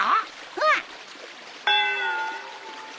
うん。